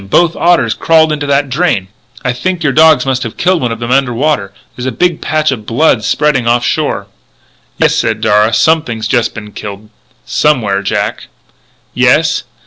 Both otters crawled into the drain! I think your dogs must have killed one of them under water. There's a big patch of blood spreading off shore." "Yes," said Darragh, "something has just been killed, somewhere ... Jack!" "Yes?"